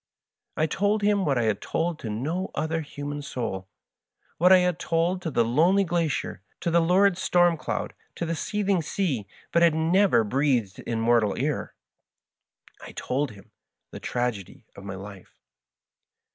I told him what I had told to no other human soul — what I had told to the lone ly glacier, to the lurid storm cloud, to the seething sea, but had never breathed in mortal ear — I told him the tragedy of my life.